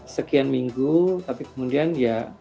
sekian minggu tapi kemudian ya